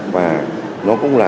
và nó cũng là